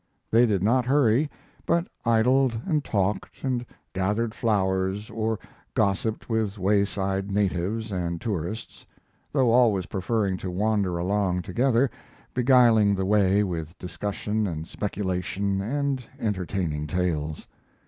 They did not hurry, but idled and talked and gathered flowers, or gossiped with wayside natives and tourists, though always preferring to wander along together, beguiling the way with discussion and speculation and entertaining tales.